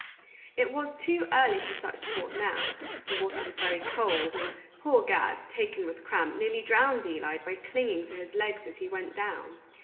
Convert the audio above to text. It was too early for such sport now; the water was very cold, and poor Gad, taken with cramp, nearly drowned Eli by clinging to his legs as he went down.